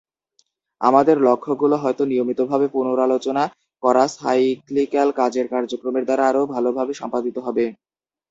আমাদের লক্ষ্যগুলো হয়তো নিয়মিতভাবে পুনরালোচনা করা সাইক্লিক্যাল কাজের কার্যক্রমের দ্বারা আরও ভালভাবে সম্পাদিত হবে।